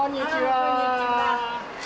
あらこんにちは。